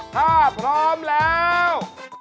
ถ้าพร้อมแล้ว